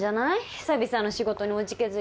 久々の仕事におじけづいて。